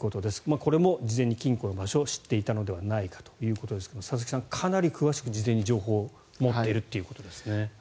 これも事前に金庫の場所を知っていたのではないかということですが佐々木さん、かなり詳しく事前に情報を持っているといことですね。